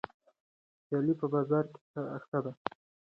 سیالي په بازار کې ښه ده.